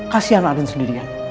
kasian arin sendirian